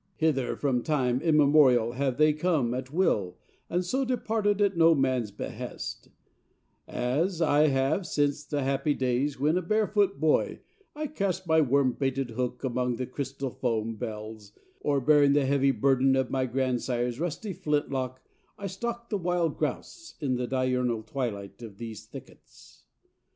Hither from time immemorial have they come at will and so departed at no man's behest, as have I since the happy days when a barefoot boy I cast my worm baited hook among the crystal foam bells, or bearing the heavy burden of my grandsire's rusty flint lock, I stalked the wily grouse in the diurnal twilight of these thickets.